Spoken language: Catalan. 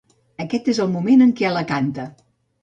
Aquest és el moment en que la canta.